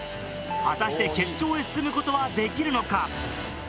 果たして決勝へ進むことはできるのか？